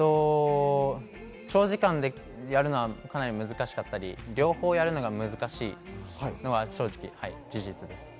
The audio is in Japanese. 長時間やるのはかなり難しかったり、両方やるのが難しいのは正直あります。